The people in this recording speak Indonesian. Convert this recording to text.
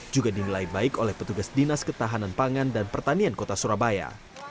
juga dinilai baik oleh petugas dinas ketahanan pangan dan pertanian kota surabaya